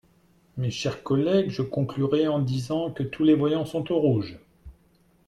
Mes chers collègues, je conclurai en disant que tous les voyants sont au rouge.